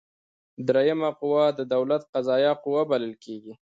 دریمه قوه د دولت قضاییه قوه بلل کیږي.